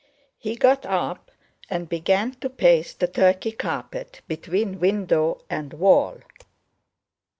He got up and began to pace the Turkey carpet, between window and wall.